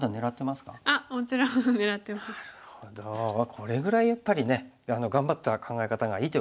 これぐらいやっぱりね頑張った考え方がいいってことですね。